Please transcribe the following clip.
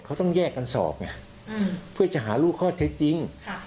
เขาต้องแยกกันสอบไงเพื่อจะหารู้ข้อเท็จจริง